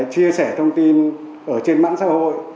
chia sẻ thông tin ở trên mạng xã hội